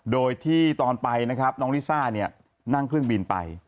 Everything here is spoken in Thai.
โดยที่ตอนไปนะครับน้องลิซ่าเนี่ยนั่งเครื่องบินไป